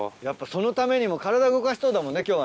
やっぱそのためにも体動かしそうだもんね